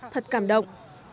thật cảm động